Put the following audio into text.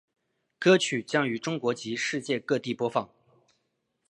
歌曲将于中国及世界各地播放。